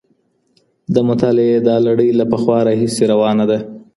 د مطالعې دا لړۍ له پخوا راهیسې روانه ده.